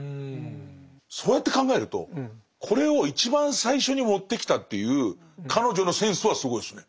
そうやって考えるとこれを一番最初に持ってきたという彼女のセンスはすごいですね。